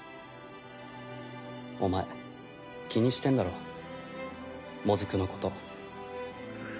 お前気にしてんだろモズクのこと。